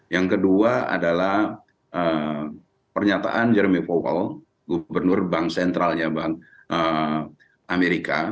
yang kedua adalah pernyataan jeremy powell gubernur bank sentralnya bank amerika